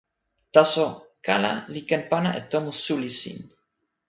taso, kala li ken pana e tomo suli sin!